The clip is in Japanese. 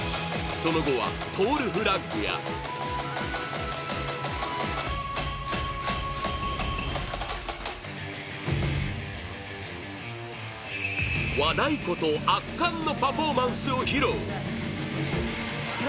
その後はトールフラッグや和太鼓と圧巻のパフォーマンスを披露！